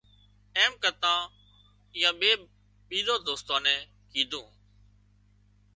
ايم ڪرتا ايئان ٻي ٻيزان دوستان نين ڪيڌون